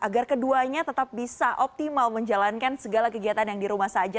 agar keduanya tetap bisa optimal menjalankan segala kegiatan yang di rumah saja